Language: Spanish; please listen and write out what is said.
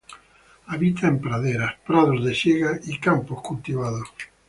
Habita en praderas, prados de siega y campos cultivados.